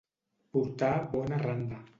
Portar bona randa.